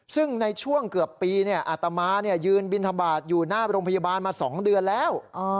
ซึ่งในช่วงเกือบปีอาตมายืนบินทบาทอยู่หน้าโรงพยาบาลมา๒เดือนแล้ว